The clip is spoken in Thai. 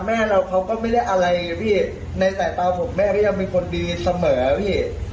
แม่เราเขาก็ไม่ได้อะไรพี่ในสายตาผมแม่ก็ยังเป็นคนดีเสมอพี่